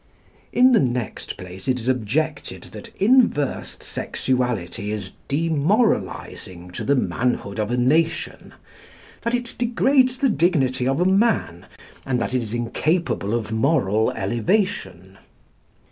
In the next place it is objected that inversed sexuality is demoralising to the manhood of a nation, that it degrades the dignity of a man, and that it is incapable of moral elevation.